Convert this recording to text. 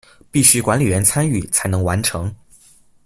必须管理员参与才能完成。